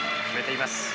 決めています。